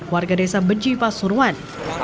warga desa benci pasuruan